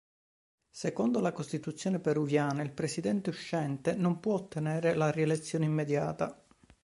Secondo la Costituzione peruviana il Presidente uscente non può ottenere la rielezione immediata.